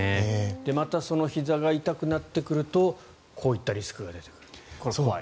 またひざが痛くなってくるとこういったリスクが出てくると。